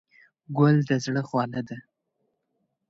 ګل د زړه خواله ده.